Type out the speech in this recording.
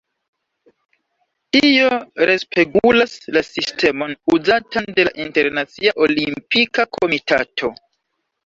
Tio respegulas la sistemon uzatan de la Internacia Olimpika Komitato.